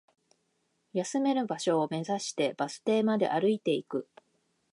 休める場所を目指して、バス停まで歩いていく